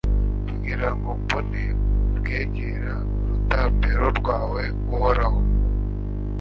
kugira ngo mbone ubwegera urutambiro rwawe Uhoraho